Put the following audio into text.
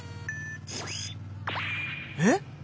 えっ！？